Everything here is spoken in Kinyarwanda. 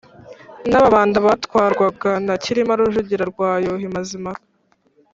n’Ababanda batwarwaga na Cyilima Rujugira rwa Yuhi Mazimpaka